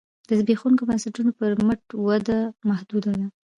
د زبېښونکو بنسټونو پر مټ وده محدوده ده